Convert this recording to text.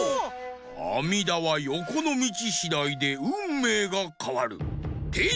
あみだはよこのみちしだいでうんめいがかわる！てい！